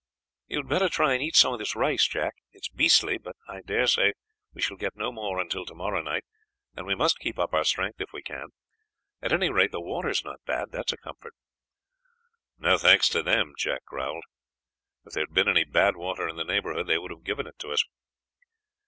"You had better try and eat some of this rice, Jack. It is beastly, but I dare say we shall get no more until tomorrow night, and we must keep up our strength if we can. At any rate, the water is not bad, that's a comfort." "No thanks to them," Jack growled. "If there had been any bad water in the neighborhood they would have given it to us."